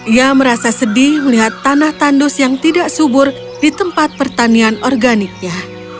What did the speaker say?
ia merasa sedih melihat tanah tandus yang tidak subur di tempat pertanian organiknya